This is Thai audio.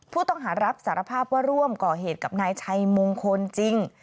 ผู้ต้องหารับสารภาพว่าร่วมก่อเหตุกับนายชัยมงคลจริง